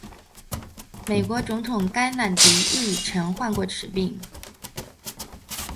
美国总统甘乃迪亦曾患此病。